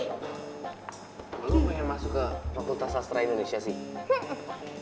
lu mau masuk ke fakultas sastra indonesia sih